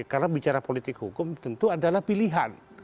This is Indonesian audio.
karena bicara politik hukum tentu adalah pilihan